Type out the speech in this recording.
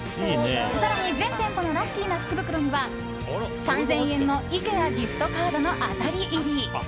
更に全店舗のラッキーな福袋には３０００円のＩＫＥＡギフトカードの当たり入り。